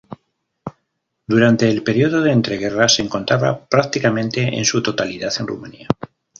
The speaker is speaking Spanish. Durante el periodo de entreguerras, se encontraba prácticamente en su totalidad en Rumania.